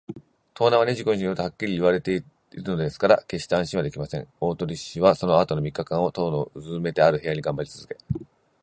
盗難は二十五日の夜とはっきり言いわたされているのですから、けっして安心はできません。大鳥氏はそのあとの三日間を、塔のうずめてある部屋にがんばりつづけ